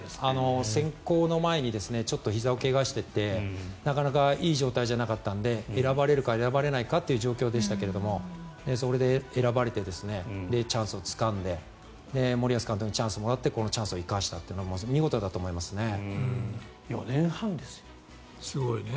選考の前にひざを怪我していてなかなかいい状態じゃなかったので選ばれるか選ばれないかって状況でしたけどそれで選ばれてチャンスをつかんで森保監督にチャンスをもらってこのチャンスを生かしたというのは見事だと思いますね。